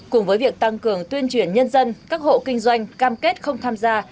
cùng với việc tăng cường tuyên truyền nhân dân các hộ kinh doanh cam kết không tham gia